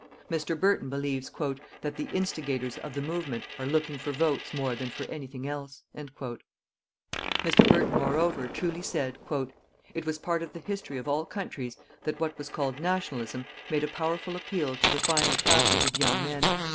Mr. Burton believes "that the instigators of the movement are looking for votes more than for anything else." Mr. Burton, moreover, truly said: "_It was part of the history of all countries that what was called "Nationalism" made a powerful appeal to the finer classes of young men.